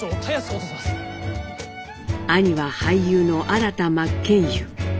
兄は俳優の新田真剣佑。